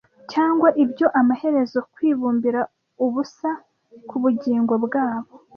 cyangwa ibyo amaherezo kwibumbira ubusa kubugingo bwabo